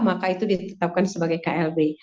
maka itu ditetapkan sebagai klb